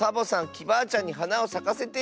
きバアちゃんにはなをさかせてよ！